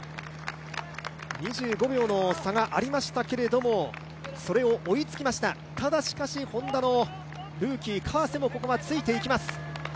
２５秒の差がありましたがそれを追いつきました、ただしかしＨｏｎｄａのルーキー・川瀬もここはついていきます。